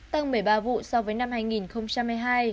tăng một mươi ba vụ so với năm hai nghìn hai mươi hai